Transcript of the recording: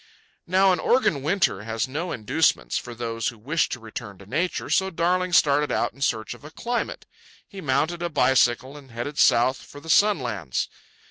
Now an Oregon winter has no inducements for those who wish to return to Nature, so Darling started out in search of a climate. He mounted a bicycle and headed south for the sunlands.